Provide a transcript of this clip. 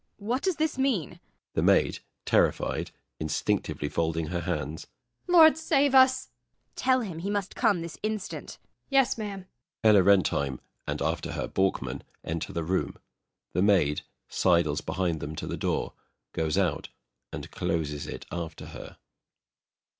] What does this mean? THE MAID. [Terrified, instinctively folding her hands.] Lord save us! MRS. BORKMAN. [Whispers to THE MAID.] Tell him he must come this instant. THE MAID. [Softly.] Yes, ma'am. [ELLA RENTHEIM and, after her, BORKMAN enter the room. THE MAID sidles behind them to the door, goes out, and closes it after her.